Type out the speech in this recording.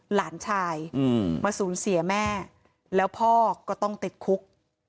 หลานชายมาสูญเสียแม่แล้วพ่อก็ต้องติดคุก